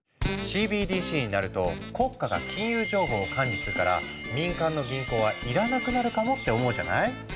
ＣＢＤＣになると国家が金融情報を管理するから民間の銀行は要らなくなるかもって思うじゃない？